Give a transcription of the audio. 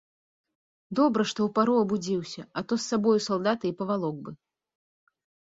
Добра, што ў пару абудзіўся, а то з сабой у салдаты і павалок бы.